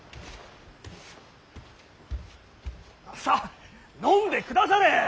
さあ飲んでくだされ。